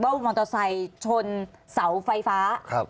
ว่าวัลวัตเตอร์ไซค์ชนเสาไฟฟ้า